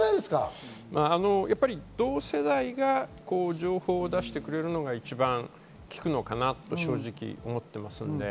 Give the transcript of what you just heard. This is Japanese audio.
同世代が情報を出してくれるのが一番効くのかなと正直思っています。